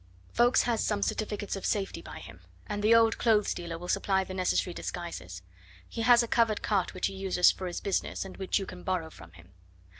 "Ffoulkes has some certificates of safety by him, and the old clothes dealer will supply the necessary disguises; he has a covered cart which he uses for his business, and which you can borrow from him.